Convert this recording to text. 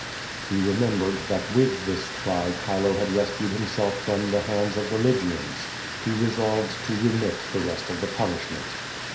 He remembered that with this cry Chilo had rescued himself from the hands of the Lygians. He resolved to remit the rest of the punishment.